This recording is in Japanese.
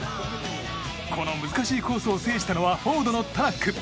この難しいコースを制したのはフォードのタナック。